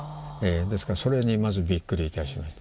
ですからそれにまずびっくりいたしました。